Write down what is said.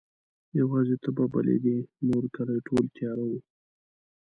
یواځي ته به بلېدې نورکلی ټول تیاره وو